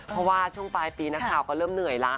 เพราะว่าช่วงปลายปีนักข่าวก็เริ่มเหนื่อยแล้ว